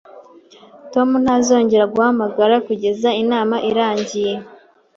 Tom ntazongera guhamagara kugeza inama irangiye